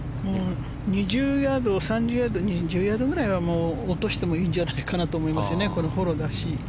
２０ヤード、３０ヤード２０ヤードくらいは落としてもいいんじゃないかなと思いますね、フォローだし。